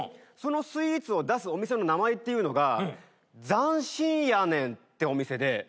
そのスイーツを出すお店の名前っていうのが斬新やねんってお店で。